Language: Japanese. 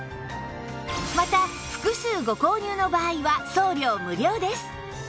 また複数ご購入の場合は送料無料です